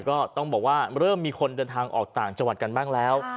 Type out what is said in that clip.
ก็ต้องบอกว่าเริ่มมีคนเดินทางออกต่างจังหวัดกันบ้างแล้ว